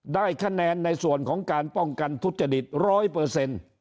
ได้คะแนนในส่วนของการป้องกันทุษฎฤษ๑๐๐